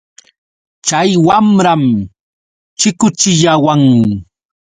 Chay wamram chikuchiyawan.